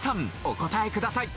お答えください。